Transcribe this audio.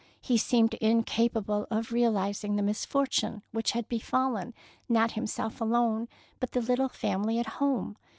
He seemed incapable of real ising the misfortune which had be fallen not himself alone, but the little family at home.